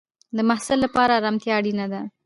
د محصل لپاره ارامتیا اړینه ده.